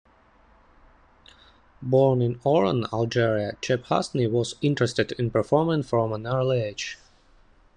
Born in Oran, Algeria, Cheb Hasni was interested in performing from an early age.